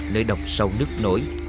nơi độc sâu nước nổi